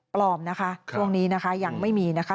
ปลอมนะคะช่วงนี้นะคะยังไม่มีนะคะ